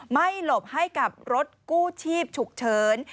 หลบให้กับรถกู้ชีพฉุกเฉิน